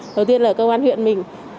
đầu tiên là công an huyện mình